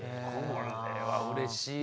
これはうれしいよ。